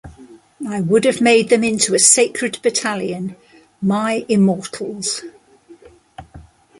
I would have made them into a Sacred Battalion--my Immortals.